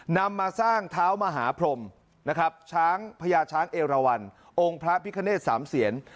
นำมาสร้างเท้ามหาพรมพญาช้างเอราวัลองค์พระพิฆเนศสามเศียร